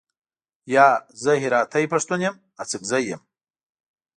یا، زه هراتۍ پښتون یم، اڅګزی یم.